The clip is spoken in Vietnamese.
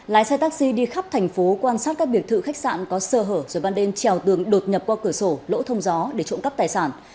lái xe taxi đi khắp thành phố quan sát các biệt thự khách sạn có sơ hở rồi ban đêm trèo tường đột nhập qua cửa sổ lỗ thông gió để trộm cắp tài sản